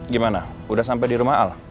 gimana udah sampai di rumah al